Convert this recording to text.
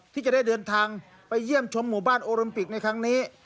ที่จะได้เดินทางไปเยี่ยมชมหมู่บ้านโอลิมปิกในครั้งนี้